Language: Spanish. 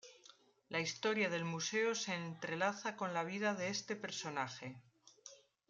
La historia del museo se entrelaza con la vida de este personaje.